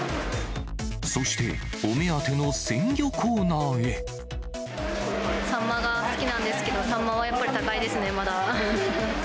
そして、サンマが好きなんですけど、サンマはやっぱり高いですね、まだ。